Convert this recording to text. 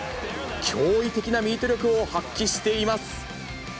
驚異的なミート力を発揮しています。